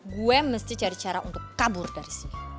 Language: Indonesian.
gue mesti cari cara untuk kabur dari sini